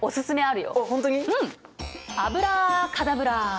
アブラカダブラ。